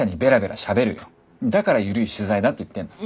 だから緩い取材だって言ってんだよ。